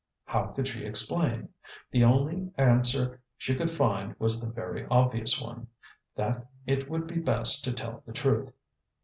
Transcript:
How could she explain? The only answer she could find was the very obvious one, that it would be best to tell the truth.